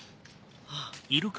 ああ。